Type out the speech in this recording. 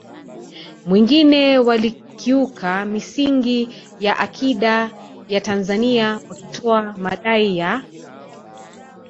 mwingine walikiuka misingi ya akida ya Tanzania wakitoa madai ya